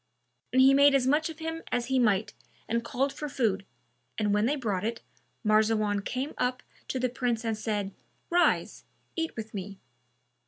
And he made as much of him as he might and called for food, and when they brought it, Marzawan came up to the Prince and said, "Rise, eat with me."